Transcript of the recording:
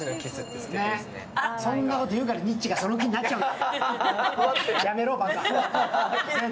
そんなことを言うからニッチェがその気になっちゃう。